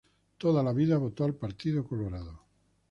Toda la vida votó al Partido Colorado.